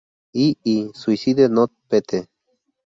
I" y "Suicide Note Pt.